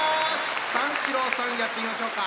三四郎さんやってみましょうか。